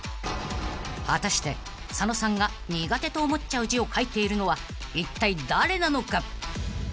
［果たして佐野さんが苦手と思っちゃう字を書いているのはいったい誰なのか？］